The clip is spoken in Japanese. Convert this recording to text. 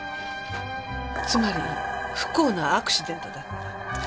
つまり不幸なアクシデントだった。